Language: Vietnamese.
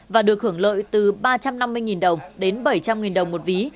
và được hưởng lợi từ ba trăm năm mươi đồng đến bảy trăm linh đồng một ví